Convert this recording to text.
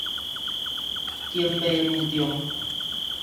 景尾女中